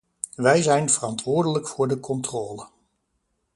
Wij zijn verantwoordelijk voor de controle.